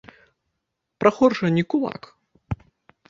Прахор жа не кулак.